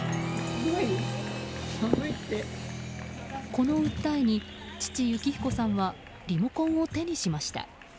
この訴えに、父・幸彦さんはリモコンを手にしました。